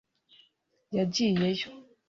yagiyeyo